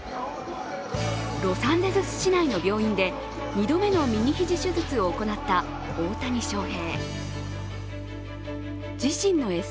ロサンゼルス市内の病院で２度目の右肘手術を行った大谷翔平。